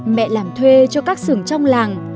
mẹ làm thuê cho các xưởng trong làng